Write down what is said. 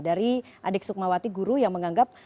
dari adik sukmawati guru yang menganggap